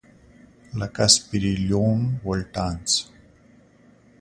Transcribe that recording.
لکه سپیریلوم ولټانس.